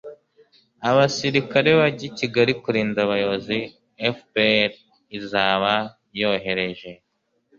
abasirikare bajya kigali kurinda abayobozi fpr izaba yohereje